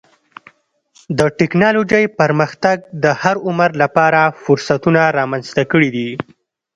د ټکنالوجۍ پرمختګ د هر عمر لپاره فرصتونه رامنځته کړي دي.